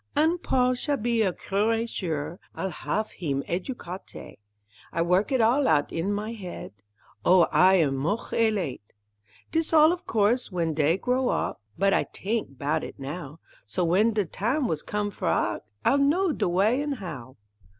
An' Paul shall be a curé sure, I'll haf heem educate', I work it all out on my head, Oh, I am moch elate; Dis all of course w'en dey grow op; But I t'ink 'bout it now; So w'en de tam' was com' for ac', I'll know de way an' how.